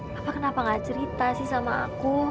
kenapa kenapa gak cerita sih sama aku